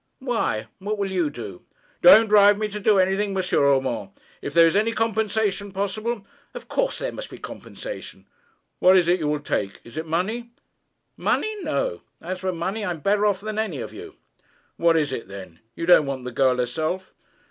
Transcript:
'Why; what will you do?' 'Don't drive me to do anything, M. Urmand. If there is any compensation possible ' 'Of course there must be compensation.' 'What is it you will take? Is it money?' 'Money; no. As for money, I'm better off than any of you.' 'What is it, then? You don't want the girl herself?'